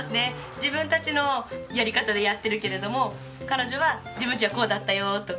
自分たちのやり方でやってるけれども彼女は「自分ちはこうだったよ」とか。